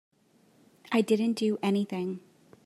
I didn't do anything.